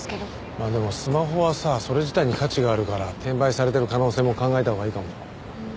まあでもスマホはさそれ自体に価値があるから転売されてる可能性も考えたほうがいいかも。